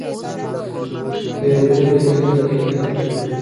پیرودونکی تل د کیفیت پلوي وي.